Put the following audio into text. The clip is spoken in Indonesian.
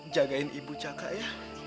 jagain ibu caka ya